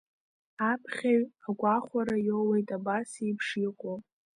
Аԥхьаҩ агәахәара иоуеит абас еиԥш иҟоу…